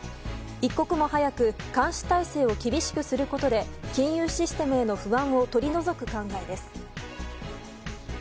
一刻も早く監視体制を厳しくすることで金融システムへの不安を取り除く考えです。